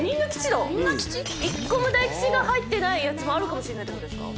１個も大吉が入ってないやつもあるかもしれないってことですか。